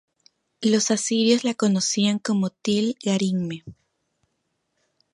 Los asirios la conocían como Til-Garimme.